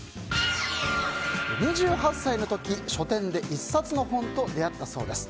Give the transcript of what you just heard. ２８歳の時、書店で１冊の本と出会ったそうです。